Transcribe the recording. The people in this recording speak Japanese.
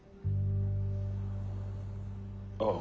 ああ。